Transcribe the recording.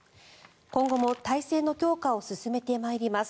今後も体制の強化を進めてまいります。